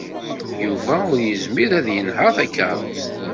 Yuba ur yezmir ad yenheṛ takeṛṛust.